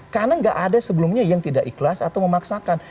karena gak ada sebelumnya yang tidak ikhlas atau memaksakan